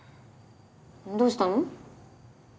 どうしたの？